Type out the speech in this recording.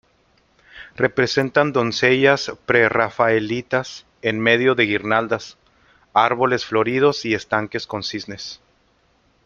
Representan doncellas prerrafaelitas en medio de guirnaldas, árboles floridos y estanques con cisnes.